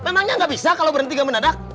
penangnya gak bisa kalau berhenti gak menadak